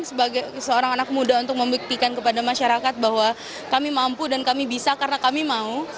sebagai seorang anak muda untuk membuktikan kepada masyarakat bahwa kami mampu dan kami bisa karena kami mau